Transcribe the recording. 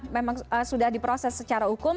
memang sudah diproses secara hukum